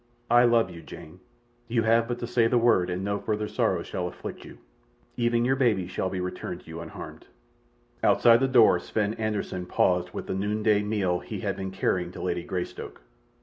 I love you, Jane. You have but to say the word and no further sorrows shall afflict you—even your baby shall be returned to you unharmed." Outside the door Sven Anderssen paused with the noonday meal he had been carrying to Lady Greystoke.